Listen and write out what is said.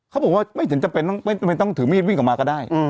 เขาบอกว่าไม่ถึงจำเป็นต้องถือมีดวิ่งออกมาก็ได้